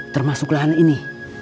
termasuk lahan ini